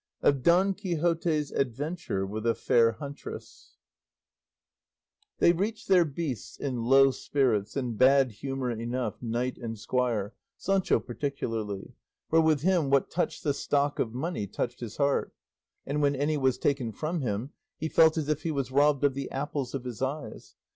OF DON QUIXOTE'S ADVENTURE WITH A FAIR HUNTRESS They reached their beasts in low spirits and bad humour enough, knight and squire, Sancho particularly, for with him what touched the stock of money touched his heart, and when any was taken from him he felt as if he was robbed of the apples of his eyes.